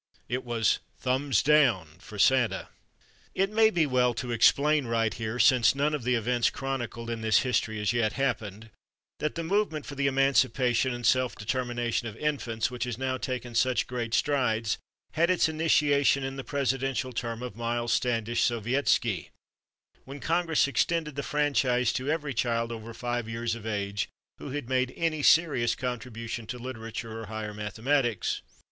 It was "thumbs down" for Santa! It may be well to explain right here (since none of the events chronicled in this History has yet happened) that the movement for the Emancipation and Self Determination of Infants, which has now taken such great strides, had its initiation in the presidential term of Miles Standish Sovietski when Congress extended the franchise to every child over five years of age who had made any serious contribution to literature or higher mathematics.